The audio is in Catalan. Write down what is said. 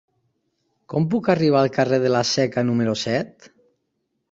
Com puc arribar al carrer de la Seca número set?